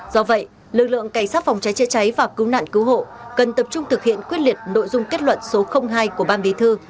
do vậy lực lượng cảnh sát phòng cháy chữa cháy và cứu nạn cứu hộ cần tập trung thực hiện quyết liệt nội dung kết luận số hai của ban bí thư